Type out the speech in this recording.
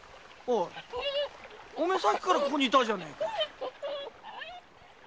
お前さっきからここに居たじゃねえか？